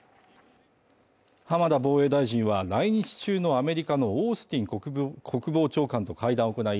浜田防衛大臣は来日中のアメリカのオースティン国防長官と会談を行い